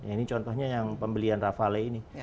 ini contohnya yang pembelian rafale ini